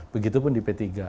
begitu pun di p tiga